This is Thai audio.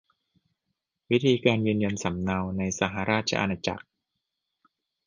วิธีการยืนยันสำเนาในสหราชอาณาจักร